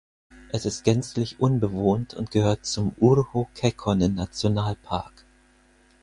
Es ist gänzlich unbewohnt und gehört zum Urho-Kekkonen-Nationalpark.